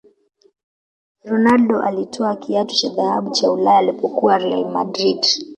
ronaldo alitwaa kiatu cha dhahabu cha ulaya alipokuwa real madrid